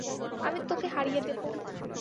আমি তোকে হারিয়ে দেবো।